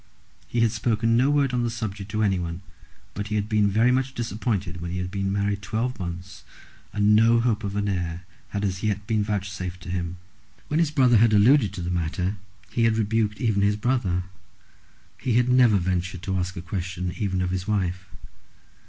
He had spoken no word on the subject to anyone, but he had been very much disappointed when he had been married twelve months and no hope of an heir had as yet been vouchsafed to him. When his brother had alluded to the matter, he had rebuked even his brother. He had never ventured to ask a question even of his wife.